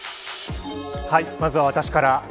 まずは私から。